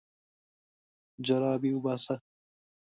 جرابې وباسه.